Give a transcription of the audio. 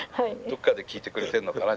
どっかで聴いていてくれてるのかな？